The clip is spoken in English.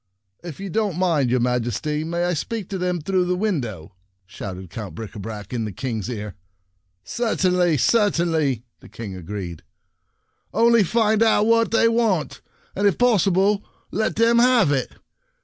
"If you don't mind, your Majesty, may I speak to them through the window ?" shouted Count Bricabrac in the King's ear. " Certainly, certainly," the King agreed. " Only find out what they want, and if possible, let them have it.